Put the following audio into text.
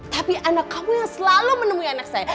tapi anak kamu yang selalu menemui anak saya